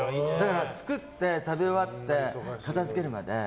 作って食べ終わって片づけるまですごっ！